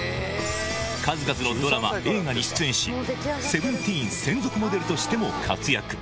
数々のドラマ、映画に出演し、セブンティーン専属モデルとしても活躍。